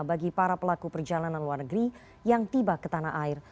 bagi para pelaku perjalanan luar negeri yang tiba ke tanah air